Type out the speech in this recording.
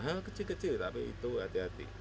hal kecil kecil tapi itu hati hati